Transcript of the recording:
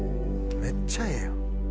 めっちゃええやん。